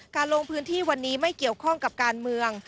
ลงพื้นที่วันนี้ไม่เกี่ยวข้องกับการเมือง